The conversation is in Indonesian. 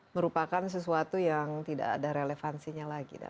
merupakan sesuatu yang tidak ada relevansinya lagi